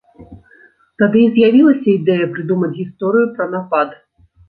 Тады і з'явілася ідэя прыдумаць гісторыю пра напад.